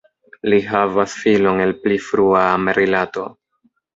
Li havas filon el pli frua amrilato.